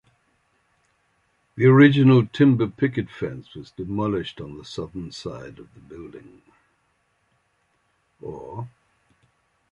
The original timber picket fence was demolished on southern side of building.